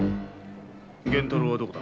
源太郎はどこだ？